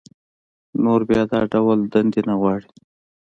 نور بيا دا ډول دندې نه غواړي